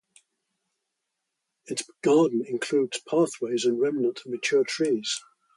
Its garden includes pathways and remnant mature trees.